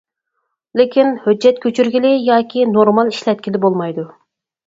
لېكىن ھۆججەت كۆچۈرگىلى ياكى نورمال ئىشلەتكىلى بولمايدۇ.